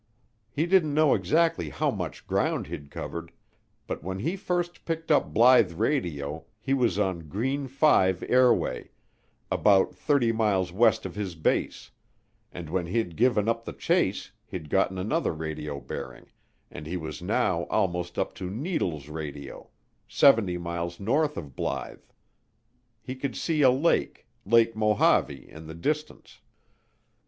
He didn't know exactly how much ground he'd covered, but when he first picked up Blythe Radio he was on Green 5 airway, about 30 miles west of his base, and when he'd given up the chase he'd gotten another radio bearing, and he was now almost up to Needles Radio, 70 miles north of Blythe. He could see a lake, Lake Mojave, in the distance.